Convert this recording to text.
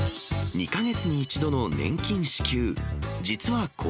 ２か月に一度の年金支給。